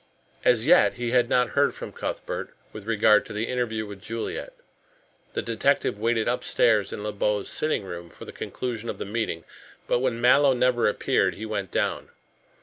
As yet he had not heard from Cuthbert with regard to the interview with Juliet. The detective waited upstairs in Le Beau's sitting room for the conclusion of the meeting, but when Mallow never appeared he went down.